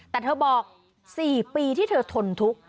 แต่เธอบอก๔ปีที่เธอทนทุกข์